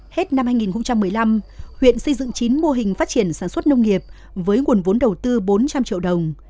hết năm hai nghìn một mươi năm huyện xây dựng chín mô hình phát triển sản xuất nông nghiệp với nguồn vốn đầu tư bốn trăm linh triệu đồng